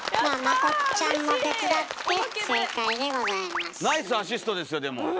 ナイスアシストですよでも。